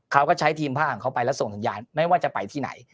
เขาก็ใช้ทีมผ้าของเขาไปแล้วส่งสัญญาณไม่ว่าจะไปที่ไหน